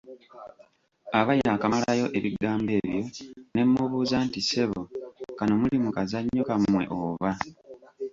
Aba yaakamalayo ebigambo ebyo ne mmubuuza nti ssebo, kano muli mu kazannyo kammwe oba?